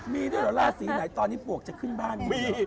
มีด้วยเหรอราศีไหนตอนนี้ปวกจะขึ้นบ้านพี่